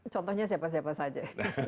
contohnya siapa siapa saja